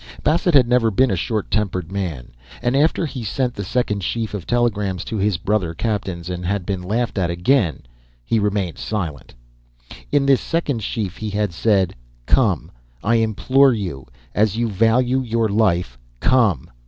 Bassett had ever been a short tempered man, and after he sent the second sheaf of telegrams to his brother captains, and had been laughed at again, he remained silent. In this second sheaf he had said: "Come, I implore you. As you value your life, come."